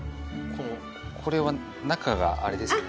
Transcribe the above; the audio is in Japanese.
これは中があれですね